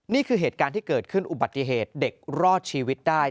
นี่คือเหตุการณ์ที่เกิดขึ้นอุบัติเหตุเด็กรอดชีวิตได้